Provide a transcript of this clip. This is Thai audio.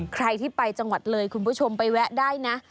ใครที่ไปจังหวัดเลยคุณผู้ชมไปแวะได้นะ